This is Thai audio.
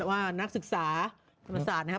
ว่านักศึกษาธรรมศาสตร์นะครับ